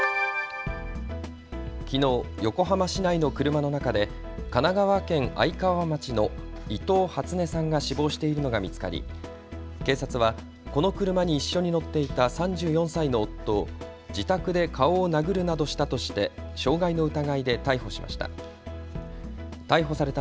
きのう横浜市内の車の中で神奈川県愛川町の伊藤初音さんが死亡しているのが見つかり警察はこの車に一緒に乗っていた３４歳の夫を自宅で顔を殴るなどしたとして傷害の疑いで逮捕しました。